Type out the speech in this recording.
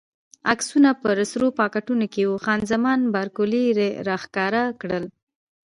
عکسونه په سرو پاکټو کې وو، خان زمان بارکلي راښکاره کړل.